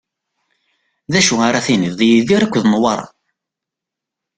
D acu ara tiniḍ di Yidir akked Newwara?